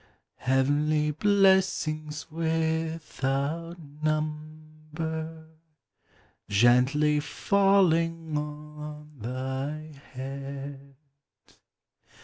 Heavenly blessings without number Gently falling on thy head.